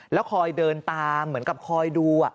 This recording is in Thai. แล้วคอยเดินตามเหมือนกับคอยดู